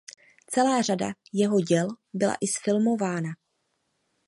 Celá řada jeho děl byla i zfilmována.